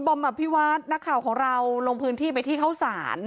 บอร์มอับภิวาศน์หน้าข่าวของเราลงพื้นที่ไปที่เข้าศาล